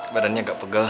badannya agak pegal